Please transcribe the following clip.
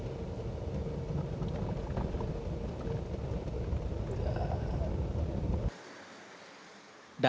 terdapat juga tikungan yang berubah menjadi perubahan